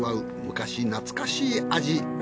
昔懐かしい味。